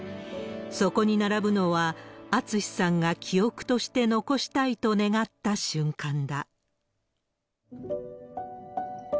そこに並ぶのは、厚さんが記憶として残したいと願った瞬間だ。